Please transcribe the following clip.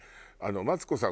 マツコさん